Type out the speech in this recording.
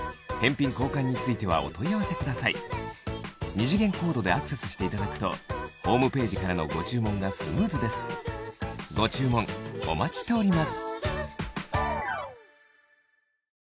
二次元コードでアクセスしていただくとホームページからのご注文がスムーズですご注文お待ちしております